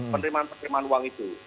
penerimaan penerimaan uang itu